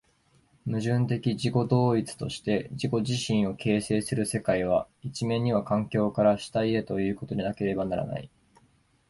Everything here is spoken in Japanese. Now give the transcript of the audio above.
矛盾的自己同一として自己自身を形成する世界は、一面には環境から主体へということでなければならない。